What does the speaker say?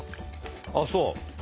ああそう？